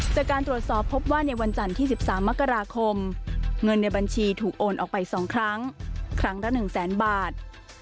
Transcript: จากการตรวจสอบพบว่าในวันจันทร์ที่๑๓มกราคมเงินในบัญชีถูกโอนออกไป๒ครั้งครั้งละ๑แสนบาท